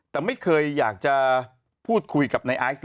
แต่ไม่เคยอยากจะพูดคุยกับนายไอซ์